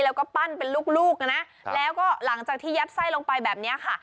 แล้วก็ปั้นเป็นลูกลูกนะนะแล้วก็หลังจากที่ยัดไส้ลงไปแบบนี้ค่ะ